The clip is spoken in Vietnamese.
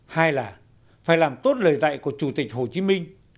hai là phải làm tốt lời dạy của chủ tịch hồ chí minh